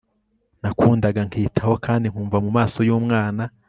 nakundaga, nkitaho kandi nkumva mumaso y'umwana